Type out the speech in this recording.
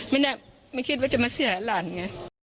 ไม่น่ะไม่คิดว่าจะมาเสียหลานไง